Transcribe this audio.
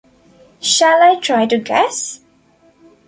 Shall I try to guess?